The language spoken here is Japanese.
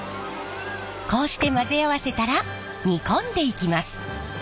こうして混ぜ合わせたら煮込んでいきます。